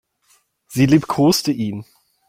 Sie liebkoste ihn.